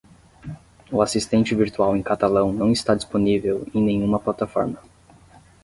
O assistente virtual em catalão não está disponível em nenhuma plataforma.